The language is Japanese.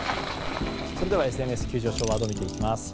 ＳＮＳ急上昇ワードを見ていきます。